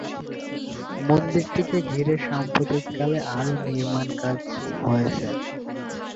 মন্দিরটিকে ঘিরে সাম্প্রতিককালে আরো নির্মাণ কাজ হয়েছে।